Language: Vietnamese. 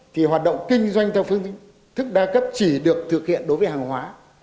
thì hoạt động kinh doanh theo phương thức đa cấp chỉ được thực hiện đối với hàng hóa